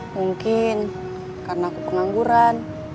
mungkin karena aku pengangguran